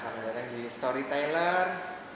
selamat datang di story tailor